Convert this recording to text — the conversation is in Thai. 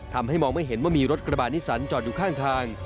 ทำให้มองไม่เห็นว่ามีรถกระบาดนิสันจอดอยู่ข้างทาง